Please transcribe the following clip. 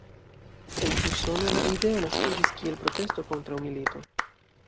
En Usono la ideo naskiĝis kiel protesto kontraŭ milito.